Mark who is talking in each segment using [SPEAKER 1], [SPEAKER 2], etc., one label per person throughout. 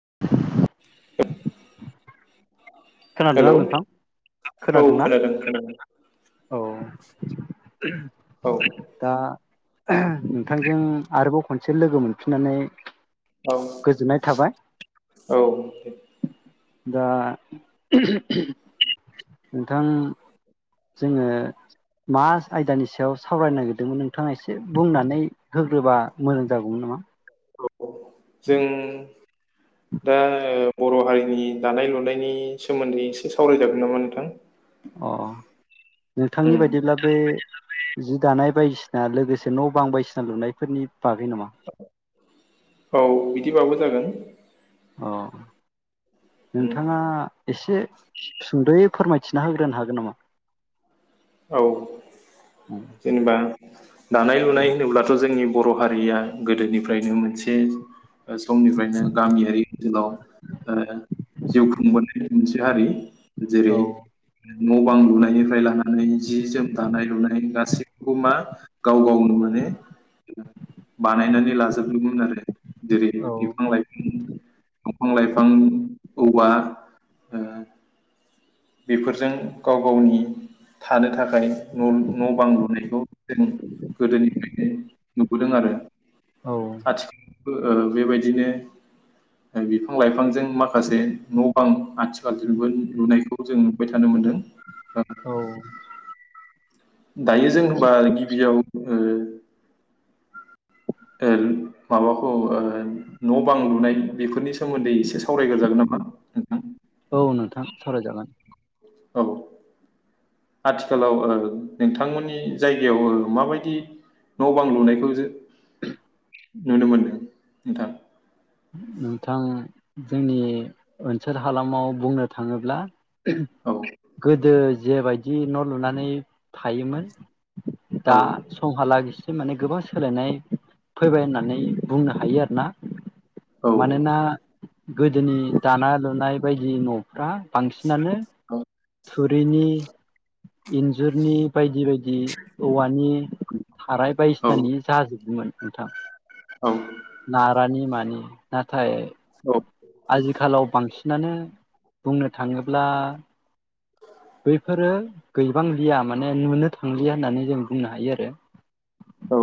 [SPEAKER 1] [inaudible]
[SPEAKER 2] [inaudible]
[SPEAKER 1] खोनादोंना
[SPEAKER 2] हेलौ
[SPEAKER 1] नोंथां
[SPEAKER 2] औ
[SPEAKER 1] खोनादोंना
[SPEAKER 2] खोनादों - खोनादों
[SPEAKER 1] ओही
[SPEAKER 2] औ
[SPEAKER 1] दा ओह नोंथांजों आरोबाव खनसे लोगो मोनफिननानै
[SPEAKER 2] औ
[SPEAKER 1] गोजोननाय थाबाय।
[SPEAKER 2] औ दे
[SPEAKER 1] दा नोंथां जोङो मा आयदानि सायाव सावरायनो नागिरदोंमोन नोंथाङा एसे बुंनानै होग्रोबा मोजां जागौमोन नामा?
[SPEAKER 2] औ जों दा बर हारिनि दानाय- लुनायनि सोमोन्दै एसे सावरायजागोन नामा नोंथां।
[SPEAKER 1] अ' नोंथांनि
[SPEAKER 2] उम
[SPEAKER 1] बायदिब्ला बे जि दानाय बायदिसिना लोगोसे न बां बायसिना लुनायफोरनि बागै नामा
[SPEAKER 2] औ बिदिबाबो जागोन।
[SPEAKER 1] अ'
[SPEAKER 2] उम
[SPEAKER 1] नोंथाङा एसे सुंदयै फोरमाय खिन्थाना होग्रोनो हागोन नामा?
[SPEAKER 2] औ जेनेबा दानाय लुनाय होनोब्लाथ जोंनि बर हारिया गोदोनिफ्रायनो मोनसे समनिफ्रायनो गामियारि ओनसोलाव जिउ खुंबोनाय मोनसे हारि। जेरै
[SPEAKER 1] औ
[SPEAKER 2] न -बां लुनायनिफ्राय लानानै जि -जोम दानाय- लुनाय गासिबो मा गाव- गाव नुनो मोनो बानायनानै लाजोबदोंमोन आरो जेरै
[SPEAKER 1] औ
[SPEAKER 2] बिफां- लाइफां बिफां लाइफां औवा ओ बेफोरजों गाव गावनि थानो थाखाय न बां लुनायखौ जों गोदोनिफ्रायनो नुबोदों आरो।
[SPEAKER 1] औ
[SPEAKER 2] आथिखालावबो बेबायदिनो बिफां लाइफांजों माखासे न'बां आथिखालजों लुनायखौ जों नुबाय थानो मोनदों।
[SPEAKER 1] औ
[SPEAKER 2] दायो जों होनबा गिबियाव ओ ओ माबाखौ ओ न बां लुनाय बेफोरनि सो मोन्दै एसे सावरायग्रो जागोन नामा नोंथां?
[SPEAKER 1] औ नोंथां सावरायजागोन
[SPEAKER 2] औ आथिखालाव ओ नोंथांमोननि जायगायाव माबायदि ओ न बां लुनायखौ जों नुनो मोनदों नोंथां।
[SPEAKER 1] नोंथां जोंनि ओनसोल हालामाव बुंनो थांङोब्ला।
[SPEAKER 2] औ
[SPEAKER 1] गोदो जेबायदि न लुनानै थायोमोन।
[SPEAKER 2] औ
[SPEAKER 1] दा समहालागि माने गोबां सोलायनाय फैबाय होननानै बुंनो हायो आरो ना।
[SPEAKER 2] औ
[SPEAKER 1] मानोना गोदोनि दानाय लुनाय बायदि न फ्रा बांसिनानो थुरिनि इन्जुरनि बायदि बायदि औवानि थाराय
[SPEAKER 2] औ
[SPEAKER 1] बायदिसिनानि जाजोबोमोन। नोंथां
[SPEAKER 2] औ
[SPEAKER 1] नारानि मानि नाथाय
[SPEAKER 2] औ
[SPEAKER 1] आजिखालाव बांसिनानो बुंनो थांङोब्ला बैफोरो गैबांलिया माने नुनो थांलिया होननानै जों बुंनो हायो आरो।
[SPEAKER 2] औ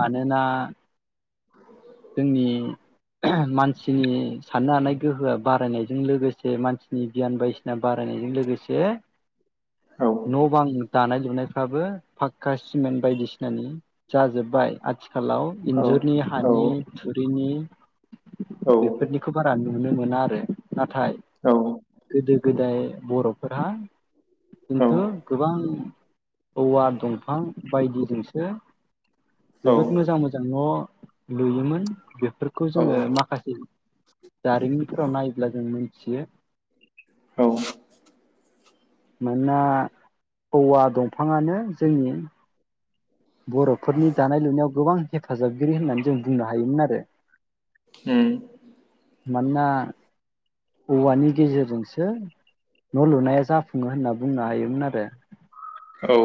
[SPEAKER 1] मानोना जोंनि मानसिनि साननो हानाय गोहोआ बारायनायजों लोगोसे मानसिनि गियान बायदिसिना बारायनायजों लोगोसे न बां दानाय लुनाय बायदिफ्राबो फाक्का सिमेन्ट बायदिसिनानि जाजोब्बाय आथिखाल लाव इन्जुरनि
[SPEAKER 2] औ
[SPEAKER 1] हानि थुरिनि
[SPEAKER 2] औ
[SPEAKER 1] बेफोरनिखौ बारा नु नुनो मोना आरो। नाथाय
[SPEAKER 2] औ
[SPEAKER 1] गोदो गोदाय बर'फोर हा
[SPEAKER 2] औ
[SPEAKER 1] खिन्थु गोबां औवा दंफां बायदिजों [unintelligible] जोबोद मोजां मोजां न'। लुयोमोन। उ [inaudible] बेफोरखौ जोङो माखासे जारिमिनफोराव नायोब्ला जों मोन [unintelligible] मानोना औवा दंफाङानो जोंनि बर'फोरनि दानाय लुनायाव गोबां हेफाजाबगिरि होननानै जों बुं हायोमोन आरो।
[SPEAKER 2] ओम।
[SPEAKER 1] मानोना औवानि गेजेरजोंसो न' लुनाया जाफुङो होनना बुंनो हायोमोन आरो।
[SPEAKER 2] औ।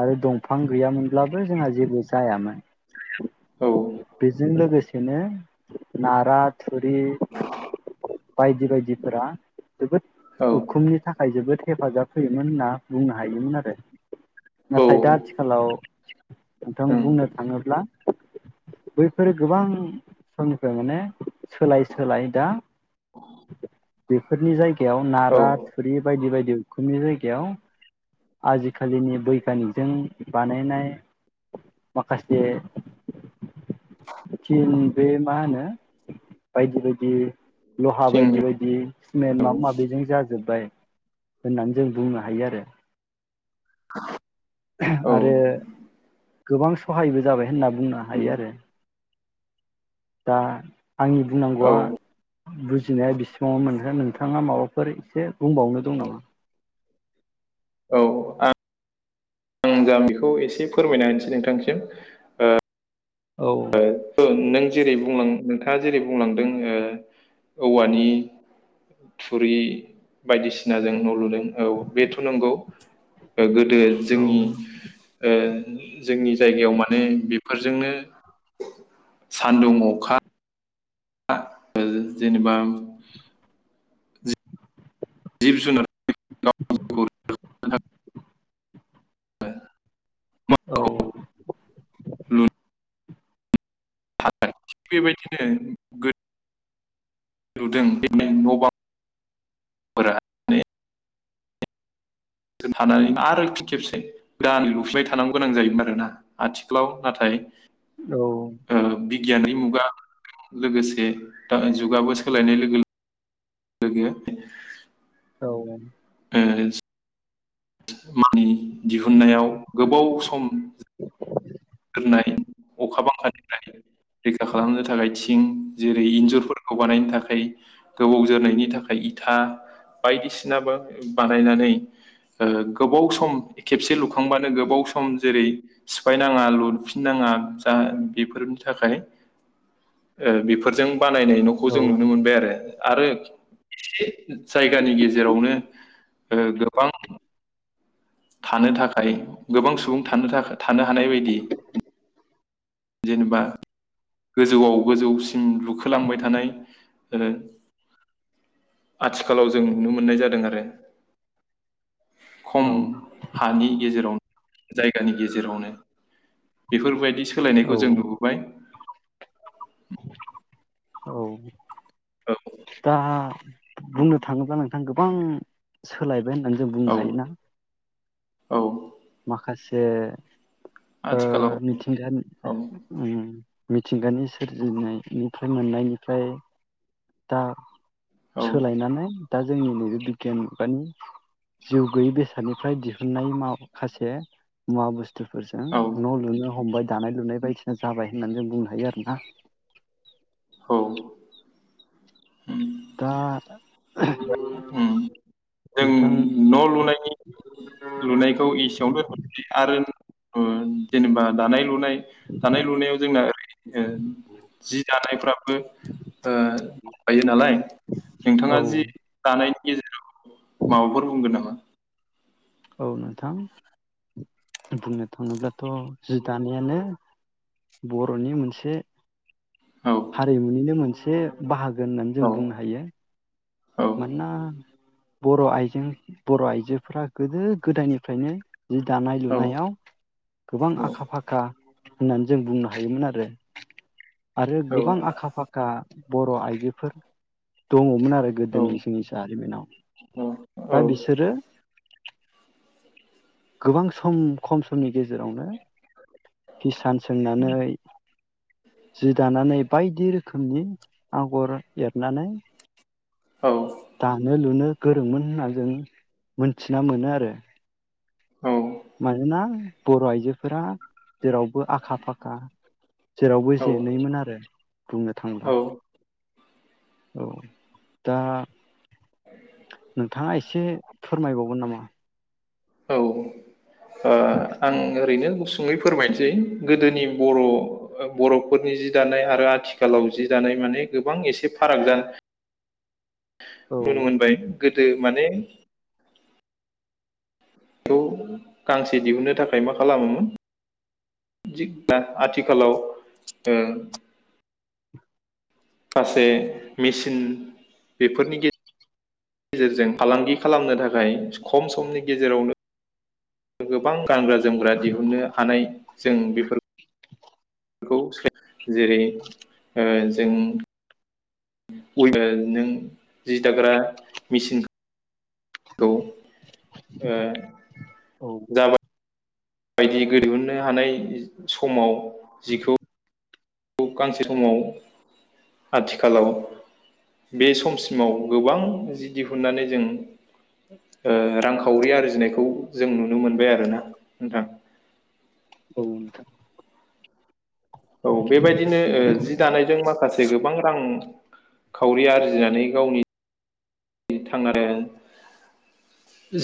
[SPEAKER 1] आरो दंफां गैयामोनब्लाबो जोंहा जेबो जायामोन। बेजों लोगोसे बिनो नाराद थुरि बायदि बायदिफोरा जोबोद
[SPEAKER 2] औ
[SPEAKER 1] उखुमनि थाखाय जोबोद हेफाजाब होयोमोन होनना। बुंना हायोमोन आरो नाथाय दा आथिखालाव नोंथां
[SPEAKER 2] उम
[SPEAKER 1] बुंनो थाङोब्ला बैफोरो गोबां समनिफ्राय माने सोलाय सोलाय दा बेफोरनि जायगा गायाव
[SPEAKER 2] औ थिं औ
[SPEAKER 1] नारा थुरि बायदि बायदि दि उखुमनि जायगायाव आजिखालिनि बैगानिकजों बानायनाय माखासे थिन बे मा होनो बायदि बायदि लहा बायदि बायदि स्मेन्ट माबा माबिजों जाजोब्बाय। होननानै जों बुंनो हायो आरो।
[SPEAKER 2] औ
[SPEAKER 1] आरो गोबां सहायबो जाबाय होनना बुं हायो आरो। दा आंनि बुंनांगौआ
[SPEAKER 2] उम
[SPEAKER 1] बुजिनाया बेसेबां आव मोनगोन नोंथाङा माबाफोर एसे बुंबावनो दं नामा
[SPEAKER 2] औ आं आं जा बिखौ एसे फोरमायना होनोसै नोंथांनिसिम
[SPEAKER 1] औ
[SPEAKER 2] औ नों जेरै बुंलां नोंथाङा जेरै बुंलांदों ओ औवानि थुरि बायदिसिनाजों न' लुदों औ बेथ' नंगौ गोदो
[SPEAKER 1] औ
[SPEAKER 2] जोंनि ओ जोंनि जायगायाव माने बेफोरजोंनो सान्दुं अखा जेनेबा जिब जुनार [unintelligible] ओ
[SPEAKER 1] औ
[SPEAKER 2] थादों बेबायदिनो गोद लुदों बिदिनो न' बांफोरा माने [inaudible] थानानै आरो फिन खेबसे गोदानै लुफैबाय थानांगौ गोनां जायोमोन आरोना आथिखालाव नाथाय
[SPEAKER 1] औ
[SPEAKER 2] गियाननि मुगा लोगोसे दा जुगाबो सोलायनाय लोगो लो गो
[SPEAKER 1] औ
[SPEAKER 2] ओस मानि दिहुननायाव गोबाव सम
[SPEAKER 1] [unintelligible]
[SPEAKER 2] गोरनाय अखा बांखानिफ्राय रैखा खालामनो थाखाय थि ओ जेरै इनजुरफोरखौ बानायनो थाखाय गोबाव जोरनायनि थाखाय इता बायदिसिनाबो बानायनानै ओ गोबाव सम खेबसे लुखांबानो गोबाव सम जेरै सिफायनाङा लु फिननाङा जा बेफोरनि थाखाय ओ बेफोरजों बानायनाय न'खौ जों नुनो
[SPEAKER 1] औ
[SPEAKER 2] मोनबाय आरो आरो ए जायगानि गेजेरावनो ओ गोबां थानो थाखाय गोबां सुबुं थानो थाखाय थानो हानाय बायदि जेनेबा गोजौआव गोजौसिम लुखोलांबाय थानाय ओ आथिखालाव जों नुनो मोननाय जादों आरो खम
[SPEAKER 1] औ
[SPEAKER 2] हानि गेजेराव जायगानि गेजेरावनो बेफोरबाय सोलायनायखौ
[SPEAKER 1] औ
[SPEAKER 2] जों नुबोबाय
[SPEAKER 1] औ दा बुंनो थाङोब्ला नोंथां गोब बां सोलाय होननानै जों
[SPEAKER 2] औ
[SPEAKER 1] बुंनो हायोना
[SPEAKER 2] औ औ
[SPEAKER 1] माखासे ओ
[SPEAKER 2] आथिखालाव
[SPEAKER 1] मिथिंगानि
[SPEAKER 2] औ
[SPEAKER 1] उ मिथिंगानि सोरजिनायनिफ्राय मोननायनिफ्राय दा
[SPEAKER 2] औ
[SPEAKER 1] सोलायनानै दा जोंनि नैबे बिगियान मानि जिउ गोैयै बेसादनिफ्राय दिहुननाय माव खासे मुवा बुस। फोरजों
[SPEAKER 2] औ
[SPEAKER 1] न' लुनो हमबाय दानाय लुनाय। बायदिसिना जाबाय होननानै जों बुंनो हायो आरोना।
[SPEAKER 2] औ। उम्म।
[SPEAKER 1] [unintelligible]
[SPEAKER 2] जों
[SPEAKER 1] नोंथां
[SPEAKER 2] न लुनायनि। लुनायखौ एसेयावनो दोनथनोसै आरो। ओ जेनेबा दानाय। लुनाय दानाय लुनायाव जोंना ओरै जि दानायफ्राबो ओ दंखायो नालाय
[SPEAKER 1] औ
[SPEAKER 2] नोंथाङा जि दानाय। गेजेराव माबाफोर बुंगोन नामा।
[SPEAKER 1] औ नोंथां बुंनो थाङोब्लाथ जि दानायानो बरनि मोनसे।
[SPEAKER 2] औ
[SPEAKER 1] हारिमुनिनो मोनसे। ए बाहागो। होननानै जों
[SPEAKER 2] औ
[SPEAKER 1] बुंनो हायो।
[SPEAKER 2] औ
[SPEAKER 1] मोनना। बर आइजों बर आइजोफोरा गोदो गोदायनिफ्रायनो। जि दानाय
[SPEAKER 2] औ
[SPEAKER 1] लुनायाव गोबां आखा फाखा होननानै जों बुंनो हायोमोन आरो। आरो गोबां आखा फाखा बर आइजोफोर दङमोन आरो गो।
[SPEAKER 2] औ
[SPEAKER 1] दिनै जोंनि जारिमिनाव दा बिसोरो। गोबां सम खम समनि। गेजेरावनो किसान सोंनानै जि दानानै बायदि रोखोमनि। आगर एरनानै।
[SPEAKER 2] औ
[SPEAKER 1] दानो लुनो। गोरोंमोन होनना जों मोनथिना मोनो आरो। मानोना बर आइजोफोरा जेरावबो आखा फाखा। जेरावबो जेेनैमोन आरो बुंनो
[SPEAKER 2] औ
[SPEAKER 1] थांबा। औ दा नोंथाङा एसे फोरमायबावगोन नामा।
[SPEAKER 2] औ। ओ आं ओरैनो गुसु। ङै फोरमायनोसै गोदोनि बर बरफोरनि जि दानाय आरो आथिखालाव जि दानाय माने गोबां एसे फाराग जा।
[SPEAKER 1] औ
[SPEAKER 2] बुं मोनबाय। गोदो माने। बेखौ गांसे दिहुननो थाखाय मा खालामोमोन दिगब्लाा आथिखालाव उम माखासे मेसिन बेफोरनि गेजे-रजों फालांगि खालामनो थाखाय खम समनि गेजेरावनो गोबां गानग्रा जोमग्रा दिहुनन्नो हानाय जों बेफोर
[SPEAKER 1] [inaudible]
[SPEAKER 2] बेखौ जेरै ओ जों नों जि दाग्रा मेचिन
[SPEAKER 1] औ
[SPEAKER 2] बायदि दिहुननो हानाय समाव जिखौ गांसे समाव आथिखालाव बे समसिमाव गोबां जि दिहुननानै जों रांखावरि आरजिनायखौ जों नुनो मोनबाय आरोना नोंथां।
[SPEAKER 1] औ नोंथां
[SPEAKER 2] औ बेबायदिनो जि दानायजों मा माखासे गोबां रांखावरि आरजिनानै गावनि थांनानै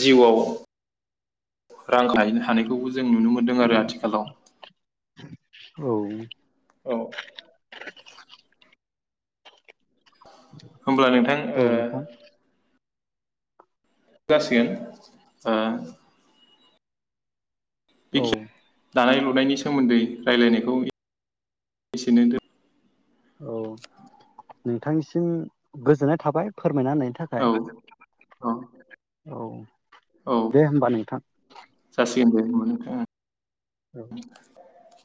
[SPEAKER 2] जिउवाव रां खायनो हानायखौबो जों नुनो मोन्दों आरो आथिखालाव।
[SPEAKER 1] औ
[SPEAKER 2] औ
[SPEAKER 1] [inaudible]
[SPEAKER 2] होमब्ला नोंथां
[SPEAKER 1] औ
[SPEAKER 2] ओ
[SPEAKER 1] नोंथां
[SPEAKER 2] जासिगोन ओ
[SPEAKER 1] औ
[SPEAKER 2] बेखि दानाय लुनायनि सोमोन्दै रायजलायनायखौ एसेनो
[SPEAKER 1] औ नोंथांनिसिम गोजोननाय थाबाय। फोरमायना होननि
[SPEAKER 2] औ
[SPEAKER 1] थाखाय
[SPEAKER 2] औ
[SPEAKER 1] औ
[SPEAKER 2] औ
[SPEAKER 1] दे होनबा नोंथां।
[SPEAKER 2] जासिगोन होनबा नोंथाङा।
[SPEAKER 1] औ
[SPEAKER 2] [inaudible]